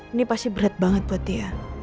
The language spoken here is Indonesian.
ini pasti berat banget buat dia